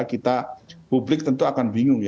kita publik tentu akan bingung